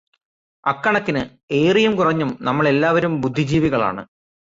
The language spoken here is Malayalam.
അക്കണക്കിന്, ഏറിയും കുറഞ്ഞും, നമ്മളെല്ലാവരും ബുദ്ധിജീവികളാണ്.